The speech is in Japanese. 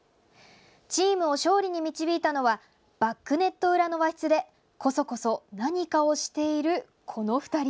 チームを勝利に導いたのはバックネット裏の和室でこそこそ何かをしているこの２人。